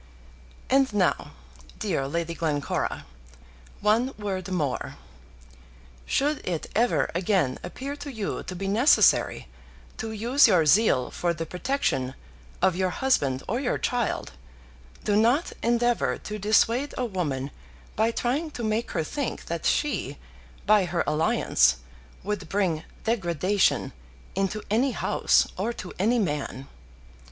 And now, dear Lady Glencora, one word more. Should it ever again appear to you to be necessary to use your zeal for the protection of your husband or your child, do not endeavour to dissuade a woman by trying to make her think that she, by her alliance, would bring degradation into any house, or to any man.